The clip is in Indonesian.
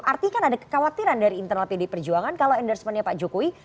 artikan ada kekhawatiran dari internal pd perjuangan kalau endorsementnya pak jokowi